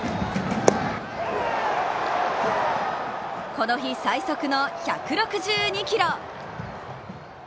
この日最速の１６２キロ。